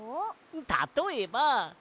たとえば。